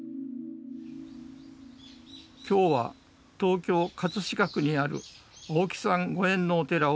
今日は東京・葛飾区にある青木さんご縁のお寺をお訪ねします。